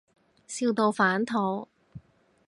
笑到反肚